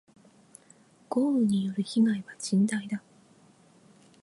豪雨による被害は甚大だ。